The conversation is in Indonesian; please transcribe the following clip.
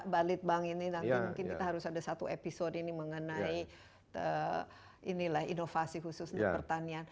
balit bank ini nanti mungkin kita harus ada satu episode ini mengenai inilah inovasi khusus di pertanian